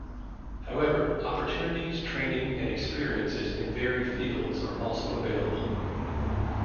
However, opportunities, training, and experiences in varied fields are also available.